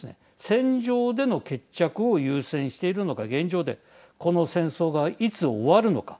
戦場での決着を優先しているのが現状でこの戦争が、いつ終わるのか。